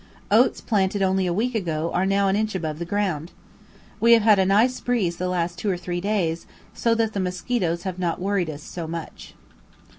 Oats planted only a week ago are now an inch above ground. We have had a nice breeze the last two or three days, so that the mosquitoes have not worried us so much.